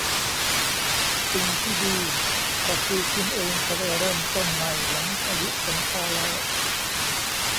สิ่งที่ดีก็คือคุณเองจะได้เริ่มต้นใหม่หลังพายุฝนซาแล้ว